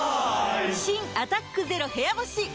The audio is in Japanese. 新「アタックＺＥＲＯ部屋干し」解禁‼